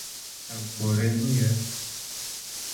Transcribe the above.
Ev gore nû ye.